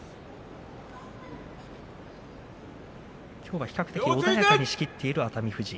きょうは比較的穏やかに仕切っている熱海富士。